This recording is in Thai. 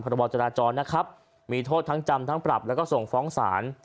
บอจราจรนะครับมีโทษทั้งจำทั้งปรับแล้วก็ส่งฟ้องศาล